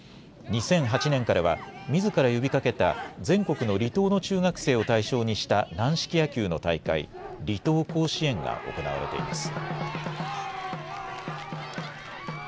２００８年からは、みずから呼びかけた、全国の離島の中学生を対象にした軟式野球の大会、離島甲子園が行われています。